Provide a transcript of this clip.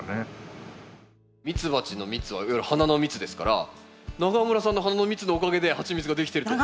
ミツバチの蜜はいわゆる花の蜜ですから永村さんの花の蜜のおかげでハミチツができてると。